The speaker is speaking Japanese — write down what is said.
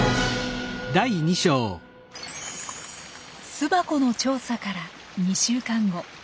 巣箱の調査から２週間後。